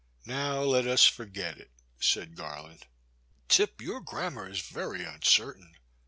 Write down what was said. Now let us forget it,*' said Garland, *' Tip, your grammar is very uncertain.